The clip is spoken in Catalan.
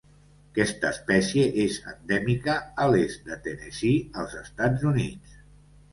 Aquesta espècie és endèmica a l'est de Tennessee als Estats Units.